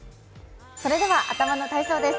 それでは頭の体操です。